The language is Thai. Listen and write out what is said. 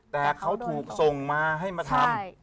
แต่เขาถูกส่งมาให้มาทำ